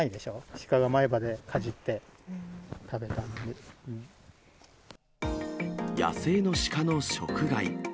シカが前歯でかじって、食べたん野生のシカの食害。